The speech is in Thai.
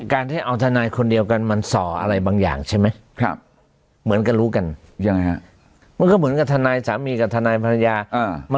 การที่เอาทนายคนเดียวกันมันส่ออะไรบางอย่างใช่ไหม